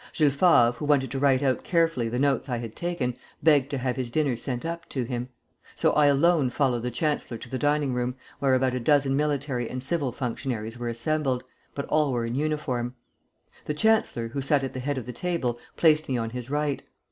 Jules Favre, who wanted to write out carefully the notes I had taken, begged to have his dinner sent up to him; so I alone followed the chancellor to the dining room, where about a dozen military and civil functionaries were assembled, but all were in uniform. The chancellor, who sat at the head of the table, placed me on his right.